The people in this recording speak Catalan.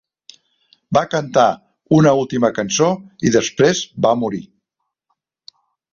Va cantar una última cançó i després va morir.